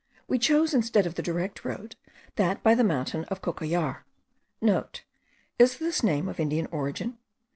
We chose, instead of the direct road, that by the mountains of the Cocollar* (* Is this name of Indian origin?